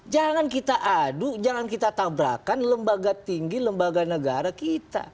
jangan kita adu jangan kita tabrakan lembaga tinggi lembaga negara kita